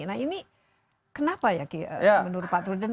nah ini kenapa ya menurut pak truden